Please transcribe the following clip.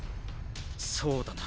そうだな。